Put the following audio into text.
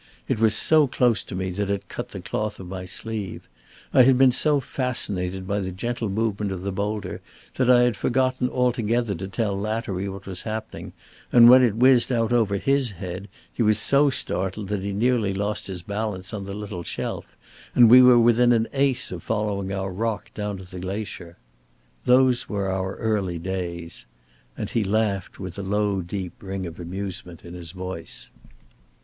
It was so close to me that it cut the cloth of my sleeve. I had been so fascinated by the gentle movement of the boulder that I had forgotten altogether to tell Lattery what was happening; and when it whizzed out over his head, he was so startled that he nearly lost his balance on the little shelf and we were within an ace of following our rock down to the glacier. Those were our early days." And he laughed with a low deep ring of amusement in his voice.